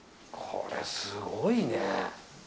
これ、すごいね。